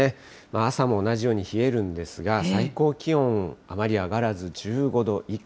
朝も同じように冷えるんですが、最高気温、あまり上がらず１５度以下。